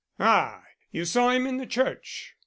"Ah! you saw him in the church."